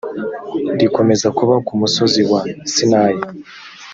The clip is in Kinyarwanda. rikomeze kuba ku musozi wa sinayi